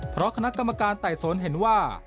เพราะคณะกรรมการไต่สวนเห็นว่า